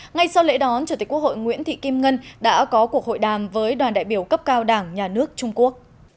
ngay sau lễ đón chủ tịch quốc hội nguyễn thị kim ngân đã có cuộc hội đàm với đoàn đại biểu cấp cao đảng nhà nước trung quốc